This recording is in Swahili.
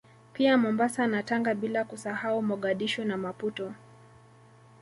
Pia Mombasa na Tanga bila kusahau Mogadishu na Maputo